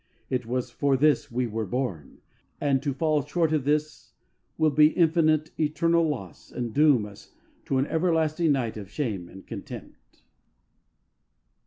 It was for this we were born, and to fall short of this will be infinite, eternal loss, and doom us to an everlasting night of shame and contempt.